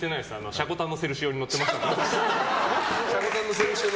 シャコタンのセルシオに乗ってます。